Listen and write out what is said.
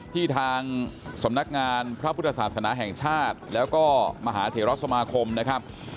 ทางสำนักงานพระพุทธศาสนาแห่งชาติแล้วก็มหาเถระสมาคมนะครับ